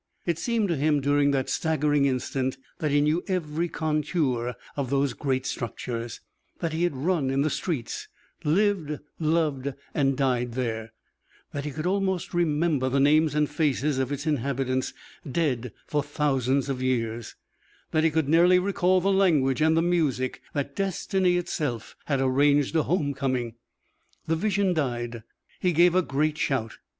It seemed to him during that staggering instant that he knew every contour of those great structures, that he had run in the streets, lived, loved, died there that he could almost remember the names and faces of its inhabitants, dead for thousands of years that he could nearly recall the language and the music that destiny itself had arranged a home coming. The vision died. He gave a great shout.